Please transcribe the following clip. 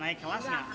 naik kelas nggak